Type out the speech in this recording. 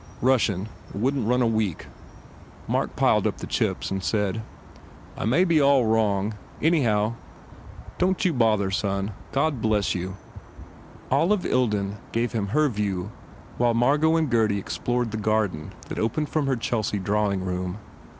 "Russian. It wouldn t run a week." Mark piled up the chips and said, "I may be all wrong Anyhow, don t you bother, son ... God bless you." Olive Ilden gave him her view while Margot and Gurdy explored the garden that opened from her Chelsea drawing room.